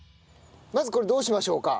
まずこれどうしましょうか？